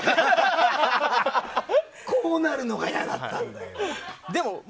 こうなるのが嫌だったんだよ。